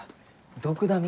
ドクダミ？